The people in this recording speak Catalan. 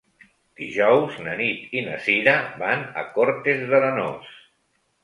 Dijous na Nit i na Cira van a Cortes d'Arenós.